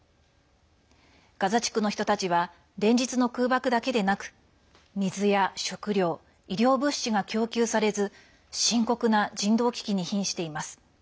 ガザ地区の人たちは連日の空爆だけでなく水や食料、医療物資が供給されず深刻な人道危機にひんしています。